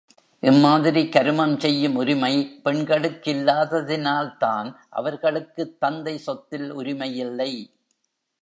இம்மாதிரி கருமஞ் செய்யும் உரிமை பெண்களுக்கில்லாததினால் தான், அவர்களுக்குத் தந்தை சொத்தில் உரிமையில்லை.